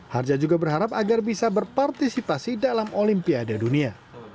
harja juga berharap agar bisa berpartisipasi dalam olimpiade dunia